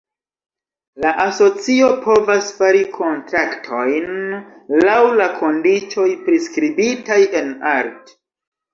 La Asocio povas fari kontraktojn, laŭ la kondiĉoj priskribitaj en art.